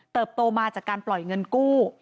โตมาจากการปล่อยเงินกู้